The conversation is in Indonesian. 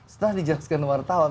setelah dijelaskan wartawan